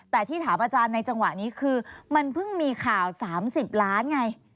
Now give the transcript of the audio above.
แต่ที่ถามอาจารย์ในจังหวะนี้คือมันเพิ่งมีข่าว๓๐ล้านไง